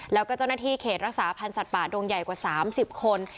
แล้วก็เจ้าหน้าที่เขตรักษาพันธ์สัตว์ป่าดงใหญ่กว่า๓๐คน